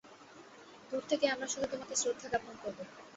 দূর থেকে আমরা শুধু তোমাকে শ্রদ্ধা জ্ঞাপন করব।